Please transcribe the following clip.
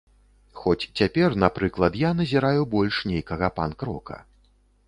Хоць цяпер, напрыклад, я назіраю больш нейкага панк-рока.